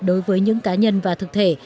đối với những cá nhân và thực thể